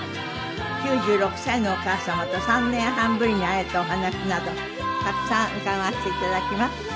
９６歳のお母様と３年半ぶりに会えたお話などたくさん伺わせていただきます。